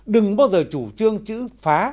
đừng bao giờ chủ trương chữ phá